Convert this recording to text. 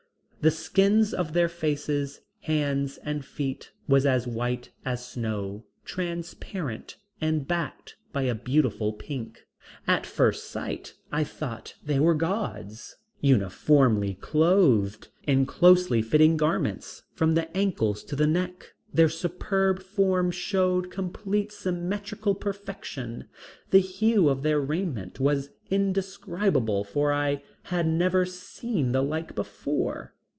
The skin of their faces, hands and feet was as white as snow, transparent, and backed by a beautiful pink. At first sight I thought they were the gods. Uniformly clothed in closely fitting garments from the ankles to the neck, their superb forms showed complete symmetrical perfection. The hue of their raiment was indescribable for I had never seen the like before.